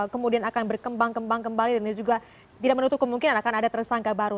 kemudian akan berkembang kembang kembali dan juga tidak menutup kemungkinan akan ada tersangka baru